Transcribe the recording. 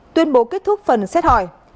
tuyên bố kết thúc phần xét hỏi